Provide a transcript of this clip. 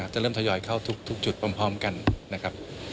จะเริ่มทยอยเข้าทุกจุดพร้อมกันนะครับ